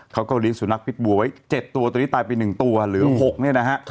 เขาก็เลี้ยสุนัขพิษบัวไว้๗ตัวตัวนี้ตายไป๑ตัวเหลือ๖เนี่ยนะฮะ